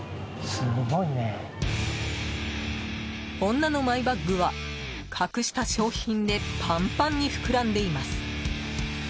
女のマイバッグは隠した商品でパンパンに膨らんでいます。